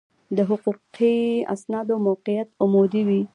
د حقوقي اسنادو موقعیت عمودي دی.